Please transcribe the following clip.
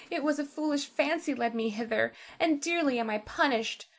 It was a foolish fancy led me hither, and dearly am I punished.